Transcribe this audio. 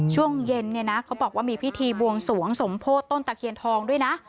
ช่วงเย็นเนี่ยนะเขาบอกว่ามีพิธีบวงสวงสมโพธิต้นตะเคียนทองด้วยนะ